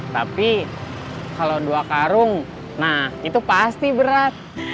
tapi kalau dua karung nah itu pasti berat